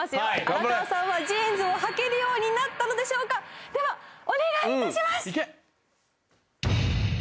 荒川さんはジーンズをはけるようになったのでしょうかではお願いいたします！